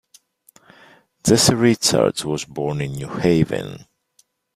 Jesse Richards was born in New Haven.